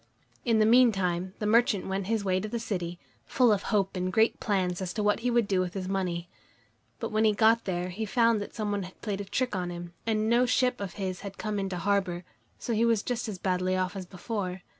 In the meantime the merchant went his way to the city, full of hope and great plans as to what he would do with his money. But when he got there, he found that some one had played a trick on him, and no ship of his had come into harbor, so he was just as badly off as before.